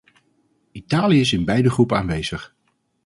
Italië is in beide groepen aanwezig.